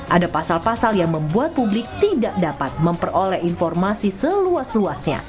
ada pasal pasal yang membuat publik tidak dapat memperoleh informasi seluas luasnya